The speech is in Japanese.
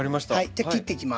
じゃあ切っていきます。